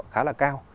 khá là cao